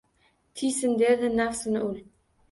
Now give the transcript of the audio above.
Tiysin derdi nafsini ul.